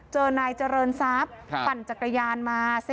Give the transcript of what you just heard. เจอนายเจริญทรัพย์ปั่นจักรยานมา